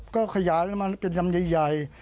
ก็ขยายมาเป็นลำใหญ่